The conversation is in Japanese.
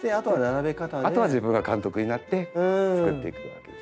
あとは自分が監督になってつくっていくわけですね。